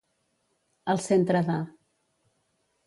Al centre de.